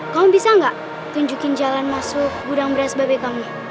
kamu bisa nggak tunjukin jalan masuk gudang beras babe kamu